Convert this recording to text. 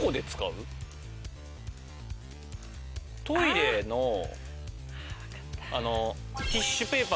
トイレの。